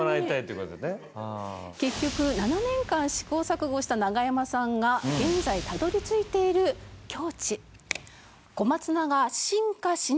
結局７年間試行錯誤したナガヤマさんが現在たどり着いている境地。